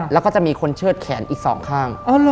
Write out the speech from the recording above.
แล้วก็จะมีคนเชิดแขนอีกสองข้าง